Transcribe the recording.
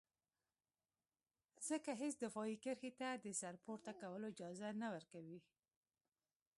ځکه هېڅ دفاعي کرښې ته د سر پورته کولو اجازه نه ورکوي.